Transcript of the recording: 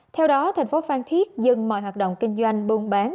theo đó thành phố phan thiết dừng mọi hoạt động kinh doanh buôn bán